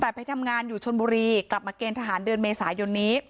แต่ไปทำงานอยู่ชนบุรีกลับมาเกณฑหารเดือนเมษายนนี้